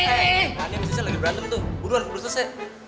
hani sama sisil lagi berantem tuh buruan buruan selesai